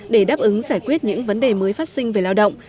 để đáp ứng giải quyết những vấn đề mới phát sinh về lao động